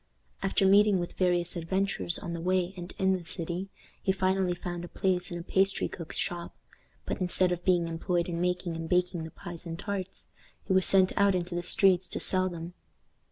After meeting with various adventures on the way and in the city, he finally found a place in a pastry cook's shop; but, instead of being employed in making and baking the pies and tarts, he was sent out into the streets to sell them.